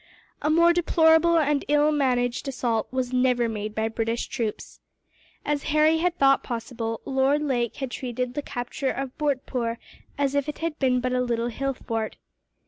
A more deplorable and ill managed assault was never made by British troops. As Harry had thought possible, Lord Lake had treated the capture of Bhurtpoor as if it had been but a little hill fort.